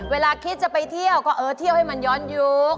เวลาคิดจะไปเที่ยวก็เออเที่ยวให้มันย้อนยุค